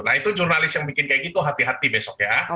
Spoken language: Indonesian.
nah itu jurnalis yang bikin kayak gitu hati hati besok ya